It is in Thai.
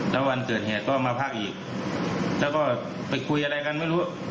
แล้ววันเกิดเหตุก็มาพักอีกแล้วก็ไปคุยอะไรกันไม่รู้